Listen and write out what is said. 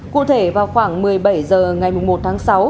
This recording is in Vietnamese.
cụ thể vào khoảng một mươi bảy h ngày một mươi một tháng sáu